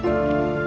aku mau pergi